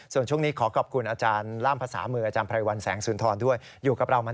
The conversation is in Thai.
ส่วนช่วงนี้ขอขอบคุณอาจารย์ล่ามภาษามืออาจารย์ไพรวันแสงสุนทรด้วย